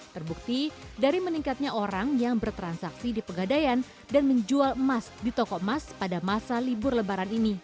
terbukti dari meningkatnya orang yang bertransaksi di pegadaian dan menjual emas di toko emas pada masa libur lebaran ini